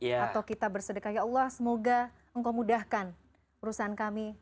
atau kita bersedekah ya allah semoga engkau mudahkan perusahaan kami